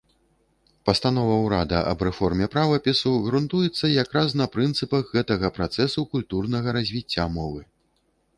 Пастанова ўрада аб рэформе правапісу грунтуецца якраз на прынцыпах гэтага працэсу культурнага развіцця мовы.